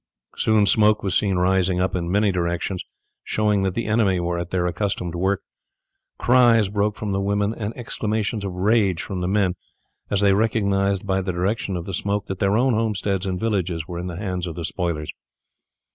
Soon smoke was seen rising up in many directions, showing that the enemy were at their accustomed work. Cries broke from the women, and exclamations of rage from the men, as they recognized by the direction of the smoke that their own homesteads and villages were in the hands of the spoilers.